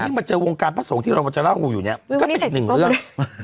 แต่ยิ่งมาเจอวงการประสงค์ที่เรามาจะเล่าของคุณอยู่เนี่ยก็เป็นอีกหนึ่งเรื่อง